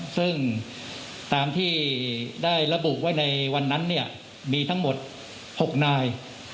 ซึ่งตามที่ได้ระบุไว้ในวันนั้นมีทั้งหมด๖นาย